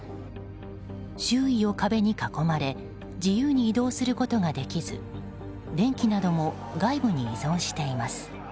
周囲を壁に囲まれ自由に移動することができず電気なども外部に依存しています。